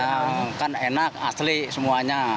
ya kan enak asli semuanya